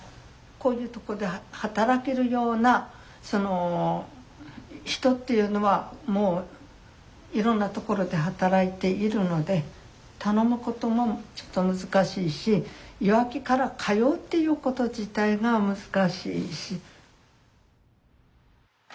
こういうとこで働けるような人っていうのはもういろんなところで働いているので頼むこともちょっと難しいしいわきから通うっていうこと自体が難しいし。